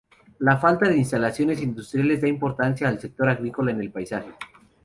La falta de instalaciones industriales da importancia al sector agrícola en el paisaje.